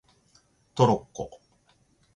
トロッコ